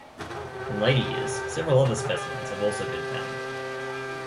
In later years, several other specimens have also been found.